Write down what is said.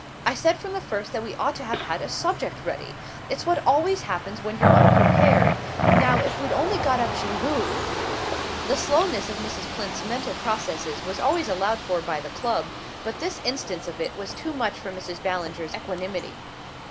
"I said from the first that we ought to have had a subject ready. It's what always happens when you're unprepared. Now if we'd only got up Xingu " The slowness of Mrs. Plinth's mental processes was always allowed for by the club; but this instance of it was too much for Mrs. Ballinger's equanimity.